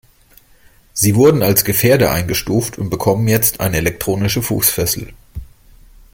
Sie wurden als Gefährder eingestuft und bekommen jetzt eine elektronische Fußfessel.